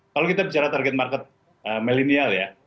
kalau kita bicara target market milenial ya